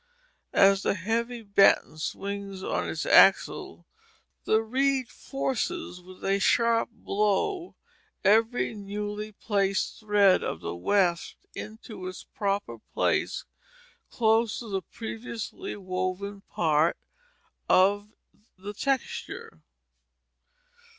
As the heavy batten swings on its axle, the reed forces with a sharp blow every newly placed thread of the weft into its proper place close to the previously woven part of the texture.